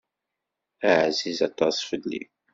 Ɛziz aṭas fell-i.